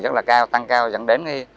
rất là cao tăng cao dẫn đến